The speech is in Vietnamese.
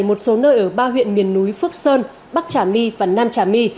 một số nơi ở ba huyện miền núi phước sơn bắc trà my và nam trà my